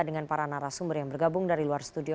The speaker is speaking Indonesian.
dengan para narasumber yang bergabung dari luar studio